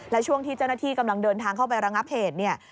และช่วงที่เจ้าหน้าที่กำลังเดินทางเข้าไประงับเหตุเนี่ย